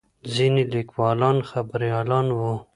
ځینې لیکوالان خبریالان وو.